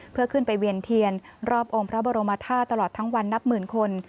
เพื่อขึ้นไปเวียนเทียนรอบองค์พระบรมธาตุตลอดทั้งวันนับหมื่นคน